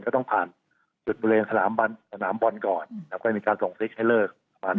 ก็ต้องผ่านจุดบุเรงสนามบอลก่อนแล้วก็มีการส่งฟิกให้เลิก